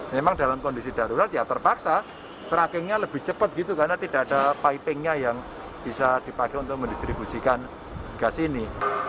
memang dalam kondisi darurat ya terpaksa trackingnya lebih cepat gitu karena tidak ada pipingnya yang bisa dipakai untuk mendistribusikan gas ini